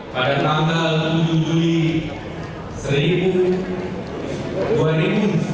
pada tanggal tujuh juli dua ribu sembilan belas